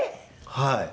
はい。